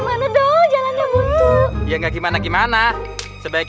udah cepat kamu naik atas mobil